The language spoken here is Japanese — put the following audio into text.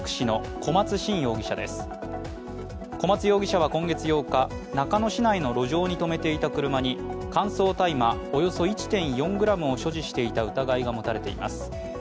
小松容疑者は今月８日、中野市内の路上に止めていた車に乾燥大麻およそ１．４ｇを所持していた疑いが持たれています。